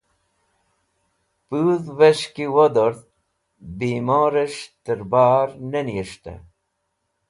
Pudhvẽs̃h ki wodord bimore s̃h tẽr bar ne niyes̃htẽ.